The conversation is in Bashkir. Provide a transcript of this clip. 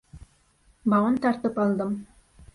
Бауын тартып алдым.